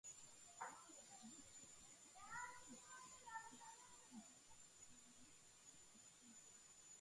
მალევე იგი პროსპერო კოლონამ დაატყვევა და აიძულა ესპანელების მხარეს გადასულიყო.